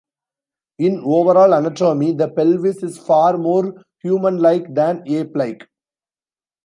In overall anatomy, the pelvis is far more human-like than ape-like.